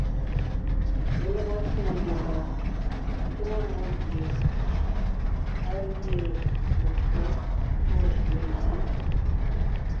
Lelɔgɔ shwòŋo ngiembɔɔn tóŋo mmó gie á lîe mentÿǒ pɔ́ megǐ.